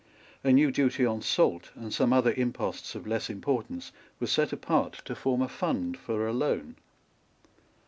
A new duty on salt and some other imposts of less importance were set apart to form a fund for a loan.